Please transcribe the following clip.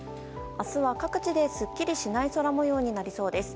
明日は各地で、すっきりしない空模様になりそうです。